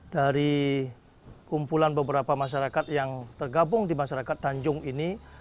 dari kumpulan beberapa masyarakat yang tergabung di masyarakat tanjung ini